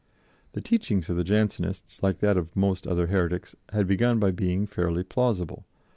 The teaching of the Jansenists, like that of most other heretics, had begun by being fairly plausible.